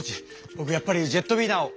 ぼくやっぱりジェットウィナーを。